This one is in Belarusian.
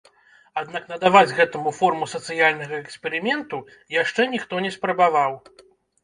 Аднак надаваць гэтаму форму сацыяльнага эксперыменту яшчэ ніхто не спрабаваў.